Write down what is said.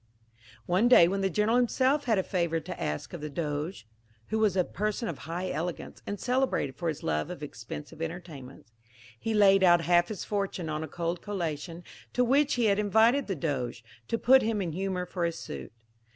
One day when the General himself had a favour to ask of the Doge (who was a person of high elegance, and celebrated for his love of expensive entertainments), he laid out half his fortune on a cold collation, to which he had invited the Doge, to put him in humour for his suit.